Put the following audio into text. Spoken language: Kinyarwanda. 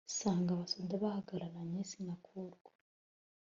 nsanga abasoda bahangaraye sinakurwa